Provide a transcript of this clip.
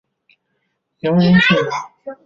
杨延俊人。